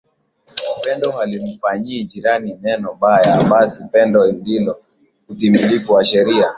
Pendo halimfanyii jirani neno baya basi pendo ndilo utimilifu wa sheria